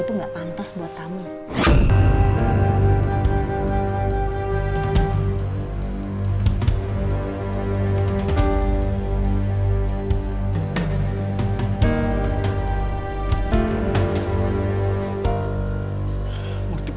ini bukan salah siapa siapa